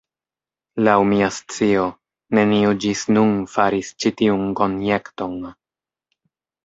Laŭ mia scio, neniu ĝis nun faris ĉi tiun konjekton.